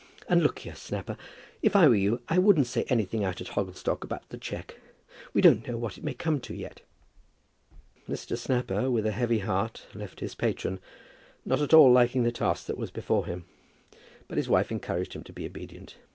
And look here, Snapper, if I were you, I wouldn't say anything out at Hogglestock about the cheque. We don't know what it may come to yet." Mr. Snapper, with a heavy heart, left his patron, not at all liking the task that was before him. But his wife encouraged him to be obedient.